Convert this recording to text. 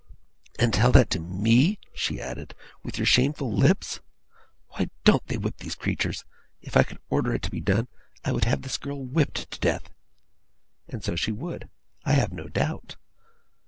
'And tell that to ME,' she added, 'with your shameful lips? Why don't they whip these creatures? If I could order it to be done, I would have this girl whipped to death.' And so she would, I have no doubt.